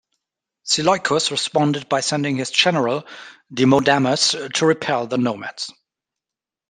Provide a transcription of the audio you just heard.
Seleucus responded by sending his general Demodamas to repel the nomads.